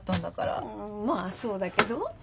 まあそうだけど。